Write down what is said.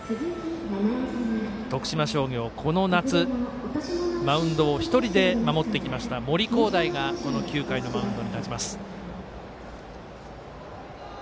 徳島商業、この夏マウンドを１人で守ってきました森煌誠がこの９回のマウンドに立ちます。